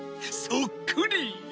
そっくり！